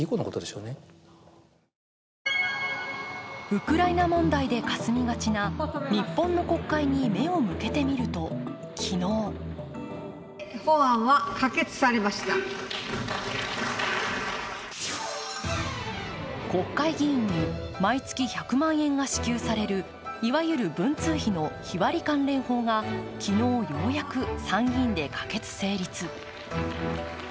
ウクライナ問題で霞みがちな日本の国会に目を向けてみると、昨日国会議員に毎月１００万円が支給されるいわゆる文通費の日割り関連法が昨日、ようやく参議院で可決・成立。